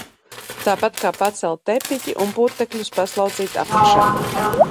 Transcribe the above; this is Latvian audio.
Tāpat kā pacelt tepiķi un putekļus paslaucīt apakšā.